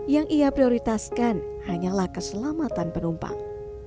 yang ia prioritaskan hanyalah keselamatan penumpang